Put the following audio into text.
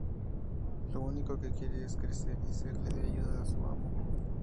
Lo único que quiere es crecer y serle de ayuda a su amo.